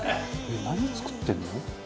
「何作ってるの？」